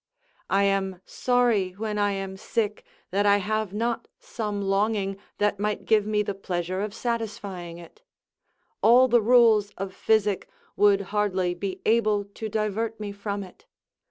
] I am sorry when I am sick, that I have not some longing that might give me the pleasure of satisfying it; all the rules of physic would hardly be able to divert me from it.